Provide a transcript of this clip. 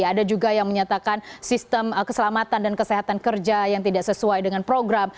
ada juga yang menyatakan sistem keselamatan dan kesehatan kerja yang tidak sesuai dengan program